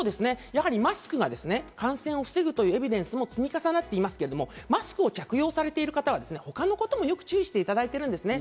やはりマスクが感染を防ぐというエビデンスも積み重なっていますけど、マスクを着用されている方が他のこともよく注意していただいてるんですね。